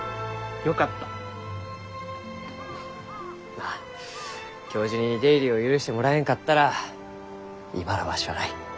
まあ教授に出入りを許してもらえんかったら今のわしはない。